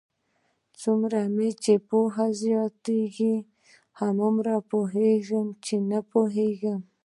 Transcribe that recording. څومره چې مې پوهه زیاتېږي، هومره پوهېږم؛ چې نه پوهېږم.